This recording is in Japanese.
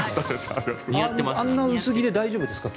あんなに薄着で大丈夫ですか？